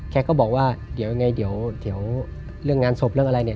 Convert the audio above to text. แกก็บอกว่าเดี๋ยวเรื่องงานศพเรื่องอะไรเนี่ย